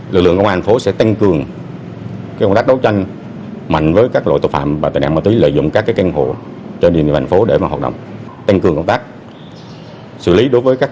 lực lượng công an phố sẽ tăng cường công tác đấu tranh mạnh với các loại tội phạm và tài nạn ma túy lợi dụng các căn hộ trên địa bàn phố để hoạt động tăng cường công tác